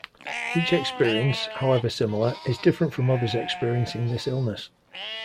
Each experience, however similar, is different from others experiencing this illness.